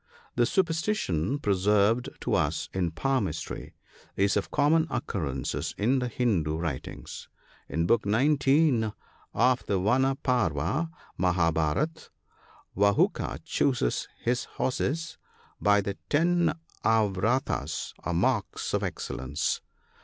— This superstition, preserved to us in palmistry, is of common occurrence in the Hindoo writings. In Book 19 of the Vana parva {Mahabharat) Vahuka chooses his horses by the ten avartas, or marks of excellence.